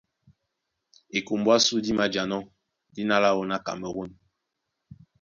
Ekombo ásū dí mājanɔ́ dína láō ná Kamerû.